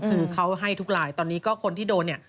คือเขาให้ทุกลายตอนนี้ก็คนที่โดนเนี่ย